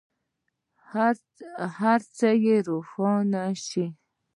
هر څه یې روښانه شي.